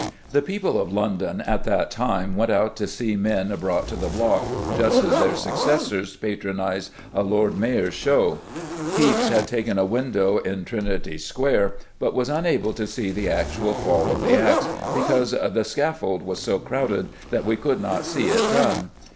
The people of London at that time went out to see men brought to the block, just as their successors patronise a Lord Mayor's show. Pepys had taken a window in Trinity Square, but was unable to see the actual fall of the axe because "the scaffold was so crowded that we could not see it done."